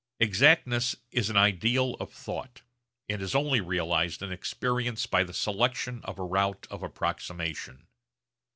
Exactness is an ideal of thought, and is only realised in experience by the selection of a route of approximation.